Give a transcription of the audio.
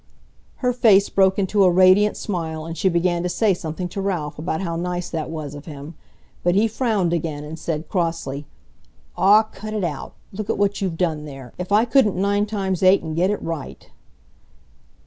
Her face broke into a radiant smile and she began to say something to Ralph about how nice that was of him, but he frowned again and said, crossly, "Aw, cut it out! Look at what you've done there! If I couldn't 9 x 8 and get it right!"